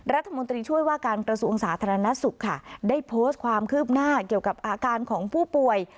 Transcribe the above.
รัฐมนตรีช่วยว่าการกระทรวงสาธารณสุขค่ะได้โพสต์ความคืบหน้าเกี่ยวกับอาการของผู้ป่วย